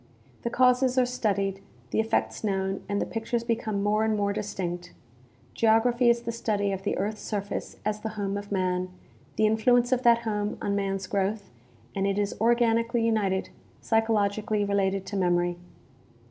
The causes are studied, the effects known and the ^^ictures be come more and more distinct. Geography is the study of the earth's surface as the home of man, the influence of that home on man's growth ; and it is organically united, psychologically related to memory.